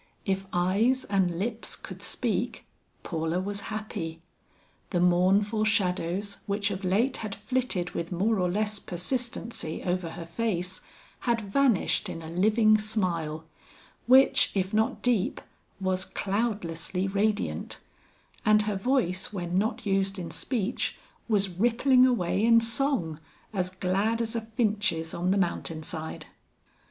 If eyes and lips could speak, Paula was happy. The mournful shadows which of late had flitted with more or less persistency over her face, had vanished in a living smile, which if not deep, was cloudlessly radiant; and her voice when not used in speech, was rippling away in song, as glad as a finch's on the mountain side.